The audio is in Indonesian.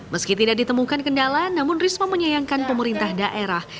meski tidak ditemukan kendala namun risma menyayangkan pemerintah daerah